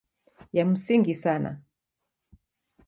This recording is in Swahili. Ya msingi sana